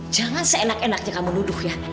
jangan seenak enaknya kamu menuduh ya